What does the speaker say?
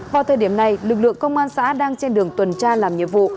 vào thời điểm này lực lượng công an xã đang trên đường tuần tra làm nhiệm vụ